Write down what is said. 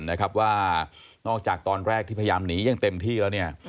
งอกจากตอนแรกที่พยายามหนียังเต็มที่แล้ว